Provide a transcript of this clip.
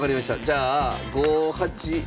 じゃあ５八あっ。